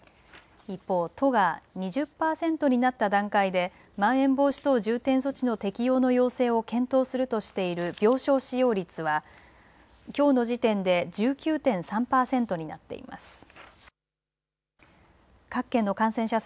一方、都が２０％になった段階でまん延防止等重点措置の適用の要請を検討するとしている病床使用率はきょうの時点で１９．３％になっています。